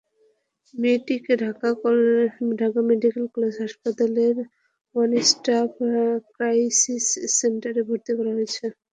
মেয়েটিকে Dhaka medical college হাসপাতালের one stop crisis সেন্টারে ভর্তি করা হয়েছে।